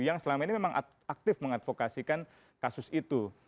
yang selama ini memang aktif mengadvokasikan kasus itu